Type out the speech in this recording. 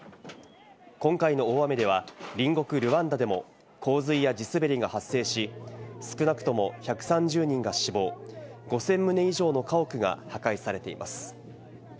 今回の大雨では隣国・ルワンダでも洪水や地すべりが発生し、少なくとも１３０人が死亡、５０００棟以上の家屋が破壊されています。